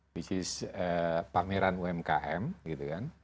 which is pameran umkm gitu kan